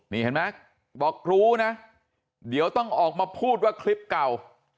นี่เห็นไหมบอกรู้นะเดี๋ยวต้องออกมาพูดว่าคลิปเก่า